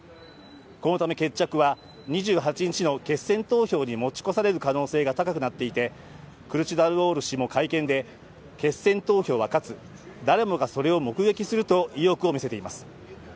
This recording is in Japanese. このため、決着は２８日の決選投票に持ち越される可能性が高くなっていてクルチダルオール氏も会見で決選投票は勝つ、誰もがそれを目撃すると意欲を見せています。